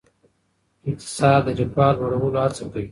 اقتصاد د رفاه لوړولو هڅه کوي.